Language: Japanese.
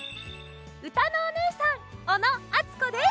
うたのおねえさん小野あつこです。